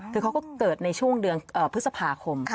คือเขาก็เกิดในช่วงเดือนพฤษภาคม